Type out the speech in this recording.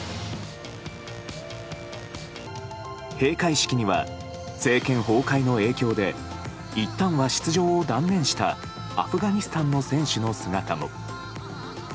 閉会式には政権崩壊の影響でいったんは出場を断念したアフガニスタンの選手の姿も。